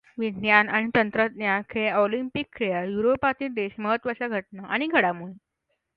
विज्ञान आणि तंत्रज्ञान खेळ ऑलिंपिक खेळात युरोपातील देश महत्त्वाच्या घटना आणि घडामोडी